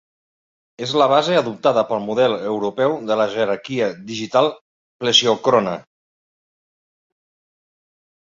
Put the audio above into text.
És la base adoptada pel model Europeu de la jerarquia digital plesiòcrona.